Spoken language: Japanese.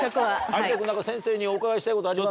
有田君何か先生にお伺いしたいことありますか？